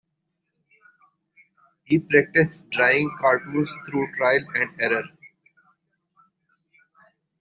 He practiced drawing cartoons through trial and error.